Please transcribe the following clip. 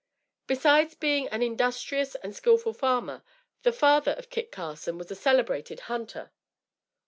Besides being an industrious and skillful farmer, the father of Kit Carson was a celebrated hunter.